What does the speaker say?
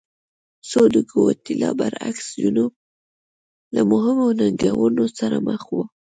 خو د ګواتیلا برعکس جنوب له مهمو ننګونو سره مخ و.